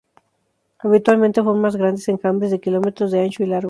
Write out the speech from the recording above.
Habitualmente forma grandes enjambres de kilómetros de ancho y largo.